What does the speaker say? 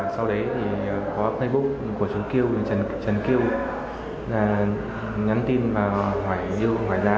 sau đấy có facebook của chú kiêu trần kiêu nhắn tin và hỏi giá